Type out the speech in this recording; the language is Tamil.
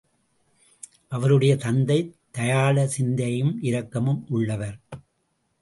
அவருடைய தந்தை தயாள சிந்தையும், இரக்கமும் உள்ளவர்.